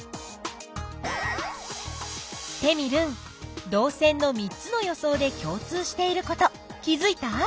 テミルン導線の３つの予想で共通していること気づいた？